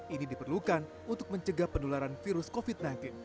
ini diperlukan untuk mencegah penularan virus covid sembilan belas